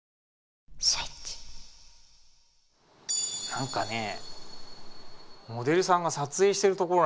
何かねモデルさんが撮影してる所なんてね